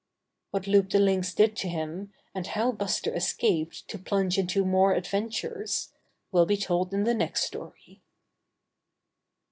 What Loup the Lynx did to him, and how Buster escaped to plunge into more adven tures, will be told in the next story.